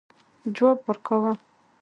جواب ورکاوه.